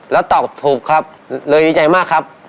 แล้วตอบถูกครับเลยดีใจมากครับ